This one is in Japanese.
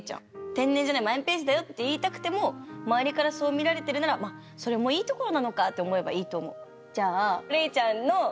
天然じゃないマイペースだよって言いたくてもまわりからそう見られてるならまそれもいいところなのかって思えばいいと思う。